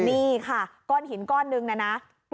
นี่ค่ะก้อนหินก้อนหนึ่งนะนะ